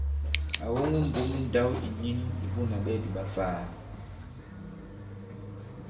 À woŋo mbǒm ndǎw ìnin i Bunà Ɓɛdì ɓa Ifaa.